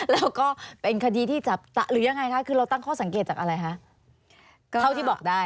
แล้วก็เป็นคดีที่จับตะหรือยังไงคะคือเราตั้งข้อสังเกตจากอะไรคะ